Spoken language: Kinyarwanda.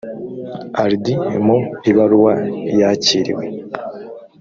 ardi mu ibaruwa yakiriwe